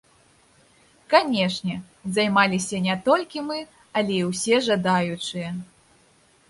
Канешне, займаліся не толькі мы, але і ўсе жадаючыя.